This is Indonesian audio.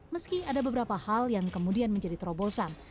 meski ada beberapa hal yang kemudian menjadi terobosan